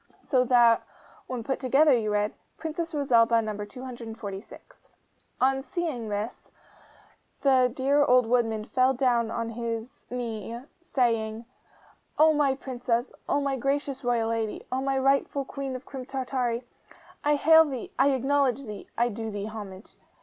So that when put together you read, 'PRINCESS ROSALBA. NO. 246.' On seeing this, the dear old woodman fell down on his knee, saying, 'O my Princess, O my gracious royal lady, O my rightful Queen of Crim Tartary, I hail thee I acknowledge thee I do thee homage!